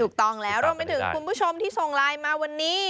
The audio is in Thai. ถูกต้องแล้วรวมไปถึงคุณผู้ชมที่ส่งไลน์มาวันนี้